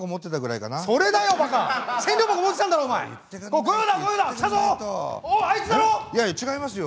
いや違いますよ。